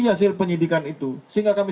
hasil penyidikan itu sehingga kami